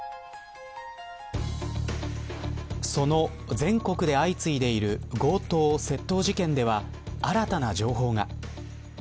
その、全国で相次いでいる強盗、窃盗事件では新たな情報が。